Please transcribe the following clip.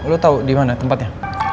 lo tahu di mana tempatnya